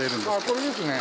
これですね。